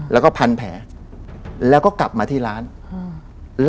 แล้วก็พันแผลแล้วก็กลับมาที่ร้านอืม